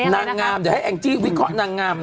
นางงามเดี๋ยวให้แอ่งจี้วิการ์ตนางงามค่ะ